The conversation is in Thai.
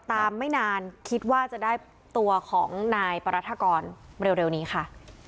ไม่นานคิดว่าจะได้ตัวของนายปรัฐกรเร็วนี้ค่ะ